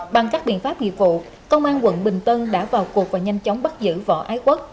bằng các biện pháp nghiệp vụ công an quận bình tân đã vào cuộc và nhanh chóng bắt giữ võ ái quốc